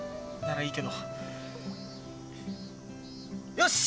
よし！